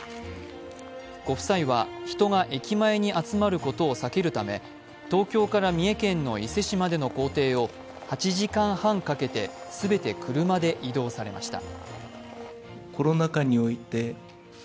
ご夫妻は、人が駅前に集まることを避けるため東京から三重県の伊勢志摩での行程を８時間半かけて全て車で移動されました。